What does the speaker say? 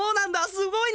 すごいね！